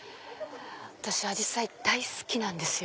私アジサイ大好きなんですよ。